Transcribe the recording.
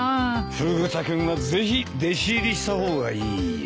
フグ田君はぜひ弟子入りした方がいいよ。